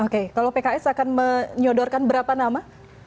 oke kalau pks akan menyodorkan berapa nama